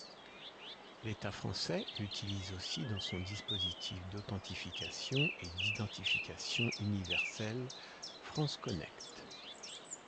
L'état français l'utilise aussi dans son dispositif d'authentification et d'identification universel FranceConnect.